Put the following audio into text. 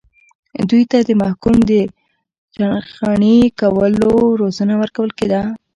دوی ته د محکوم د چخڼي کولو روزنه ورکول کېده.